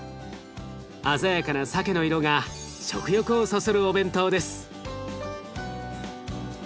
鮮やかなさけの色が食欲をそそるお弁当です。